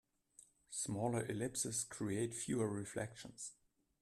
Smaller ellipses create fewer reflections.